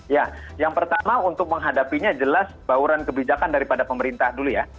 ya yang pertama untuk menghadapinya jelas bauran kebijakan daripada pemerintah dulu ya